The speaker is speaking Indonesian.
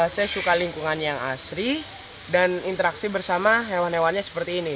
saya suka lingkungan yang asri dan interaksi bersama hewan hewannya seperti ini